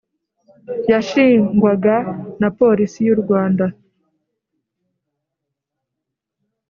Yashingwaga na Polisi y u Rwanda .